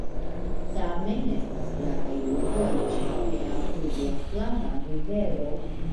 Tamen estas gravaj urboj, ĉefe apud la Flava Rivero.